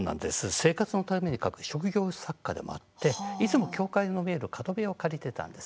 生活のために書く職業作家でもあっていつも教会の見える角部屋を借りていたんです。